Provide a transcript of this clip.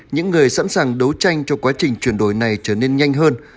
những người sẵn sàng đấu tranh cho quá trình chuyển đổi này trở nên nhanh hơn